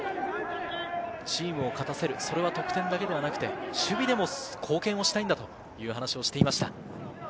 チームを勝たせる、それは得点だけではなくて、守備でも貢献したいんだという話をしていました。